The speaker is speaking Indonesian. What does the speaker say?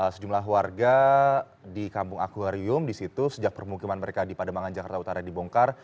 sejumlah warga di kampung akwarium di situ sejak permukiman mereka di pademangan jakarta utara dibongkar